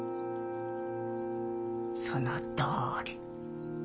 そのとおり。